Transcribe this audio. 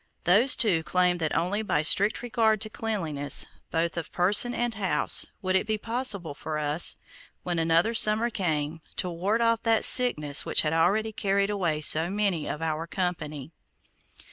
Those two claimed that only by strict regard to cleanliness, both of person and house, would it be possible for us, when another summer came, to ward off that sickness which had already carried away so many of our company.